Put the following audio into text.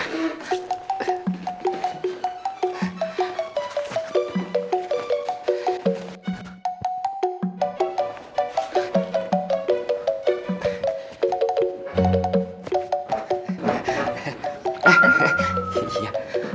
sudah pergi dulu ya